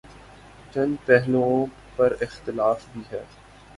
چند پہلوئوں پر اختلاف بھی ہے۔